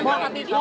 kita jalan dulu ya